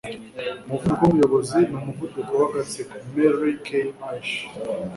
umuvuduko w'umuyobozi ni umuvuduko w'agatsiko. - mary kay ash